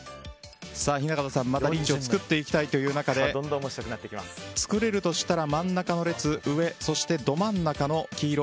雛形さんリーチを作っていきたい中で作れるとしたら真ん中の列、上そして、ど真ん中の黄色。